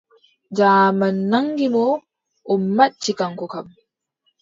Jaaman naŋgi mo, o majji kaŋko kam.